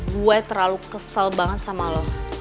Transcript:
gue terlalu kesal banget sama lo